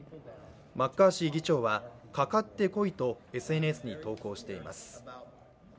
マッカーシー議長はかかってこいとＳＮＳに投稿しています。